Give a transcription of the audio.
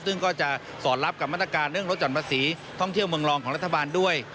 ซึ่งก็จะสอนรับกับมาตรการเรื่องรถห่อนภาษีท่องเที่ยวเมืองรองของรัฐบาลด้วย